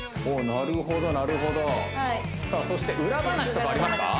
なるほどなるほどそして裏話とかありますか？